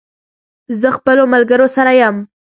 زه خپلو ملګرو سره یم